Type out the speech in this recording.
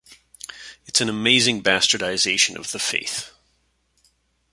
It's an amazing bastardization of the faith.